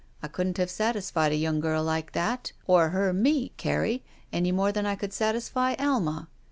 I couldn't have satisfied a young girl like that, or her me, Carrie, any more than I could satisfy Alma.